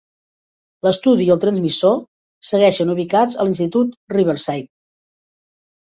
L'estudi i el transmissor segueixen ubicats a l'institut Riverside.